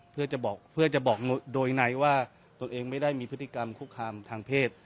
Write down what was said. เพื่อจะบอกเพื่อจะบอกโดยในว่าตัวเองไม่ได้มีพฤติกรรมคุกคามทางเพศ